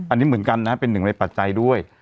อันนี้เหมือนกันนะเป็นหนึ่งในปัจจัยด้วย